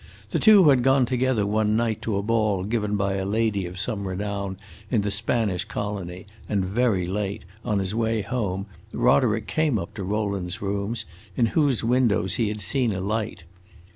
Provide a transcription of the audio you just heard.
The two had gone together one night to a ball given by a lady of some renown in the Spanish colony, and very late, on his way home, Roderick came up to Rowland's rooms, in whose windows he had seen a light.